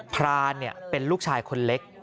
พรานเป็นลูกชายคนเล็ก